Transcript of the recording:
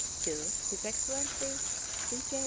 His Excellency C. J.